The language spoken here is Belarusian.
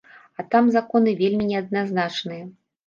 А там законы вельмі неадназначныя.